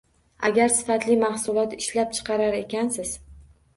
Agar sifatli mahsulot ishlab chiqarar ekansiz.